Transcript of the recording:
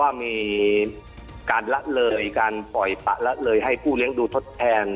ว่ามีการละเลยการปล่อยปะละเลยให้ผู้เลี้ยงดูทดแทน